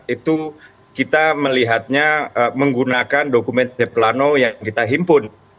itu kita melihatnya menggunakan dokumen deplano yang kita himpun